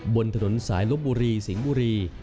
บนถนนสายลบบุรีสิงห์บุรี